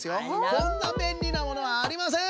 こんなべんりなものはありません！